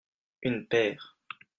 une paire.